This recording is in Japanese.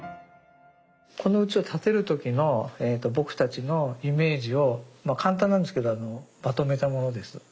このうちを建てる時の僕たちのイメージを簡単なんですけどまとめたものです。